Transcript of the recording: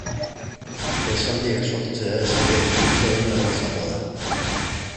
Esaldiak sortzea esaldiak itzultzea baino errazagoa da.